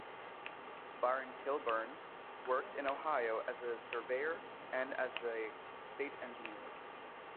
Byron Kilbourn worked in Ohio as a surveyor and as a state engineer.